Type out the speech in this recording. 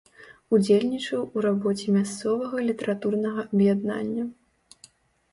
Удзельнічаў у рабоце мясцовага літаратурнага аб'яднання.